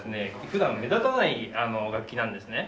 普段目立たない楽器なんですね